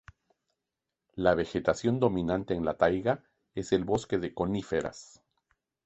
La vegetación dominante en la taiga es el bosque de coníferas.